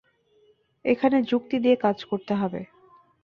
এখানে যুক্তি দিয়ে কাজ করতে হবে।